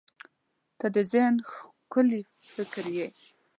• ته د ذهن ښکلي فکر یې.